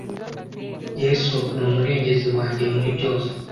Yesu numurengezi wanjyemuri byose